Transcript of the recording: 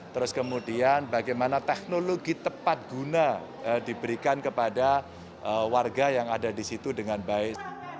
terus kemudian bagaimana teknologi tepat guna diberikan kepada warga yang ada di situ dengan baik